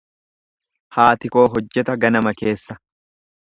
Haati koo hojjeta ganama keessa.